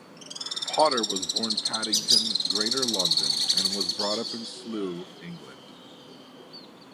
Potter was born Paddington, Greater London, and was brought up in Slough, England.